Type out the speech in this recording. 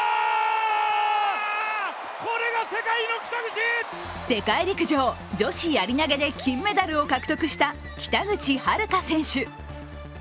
ただ世界陸上・女子やり投げで金メダルを獲得した北口榛花選手。